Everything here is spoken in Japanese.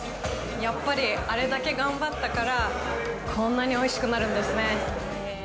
やっぱりあれだけ頑張ったからこんなにおいしくなるんですね。